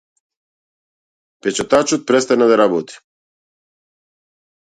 Печатачот престана да работи.